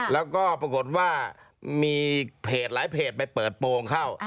แล้วก็ปรากฏว่ามีเพจหลายเพจไปเปิดโปรงเข้า